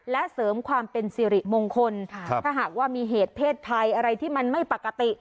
และเสริมความเป็นสิริมงคลถ้าหากว่ามีเหตุเพศภัยอะไรที่มันไม่ปกติ